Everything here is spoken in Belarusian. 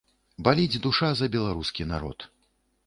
Баліць душа і за беларускі народ.